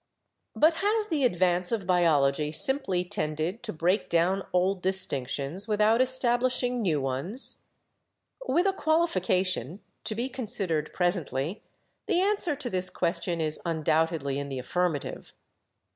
But has the advance of biology simply tended to break down old distinctions without establishing new ones? With a qualification, to be considered presently, the answer to this question is undoubtedly in the affirmative.